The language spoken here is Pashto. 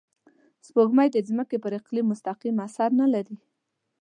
سپوږمۍ د ځمکې پر اقلیم مستقیم اثر نه لري